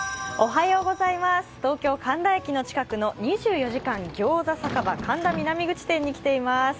東京・神田駅の近くの２４時間餃子酒場神田南口店に来ています。